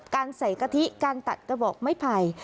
การใส่กะทิการตัดกระบอกไม้ไผ่